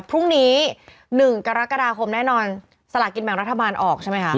พรุ่งนี้๑กรกฎาคมแน่นอนสลากินแบ่งรัฐบาลออกใช่ไหมคะ